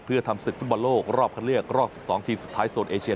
เพื่อทำศึกฟุตบอลโลกรอบคันเลือกรอบ๑๒ทีมสุดท้ายโซนเอเชีย